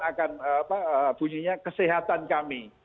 akan bunyinya kesehatan kami